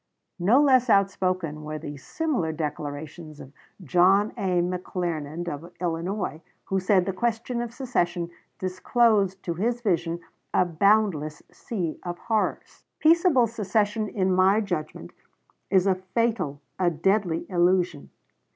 No less outspoken were the similar declarations of John A. McClernand, of Illinois, who said the question of secession disclosed to his vision a boundless sea of horrors. "Globe," Dec. 10, 1860, p. 39. Peaceable secession, in my judgment, is a fatal, a deadly illusion....